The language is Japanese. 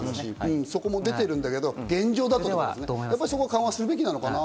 そこも出てるんだけど現状だと、そこは緩和するべきかな。